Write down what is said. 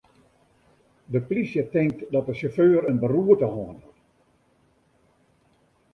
De plysje tinkt dat de sjauffeur in beroerte hân hat.